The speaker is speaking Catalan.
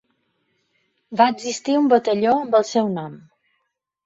Va existir un batalló amb el seu nom.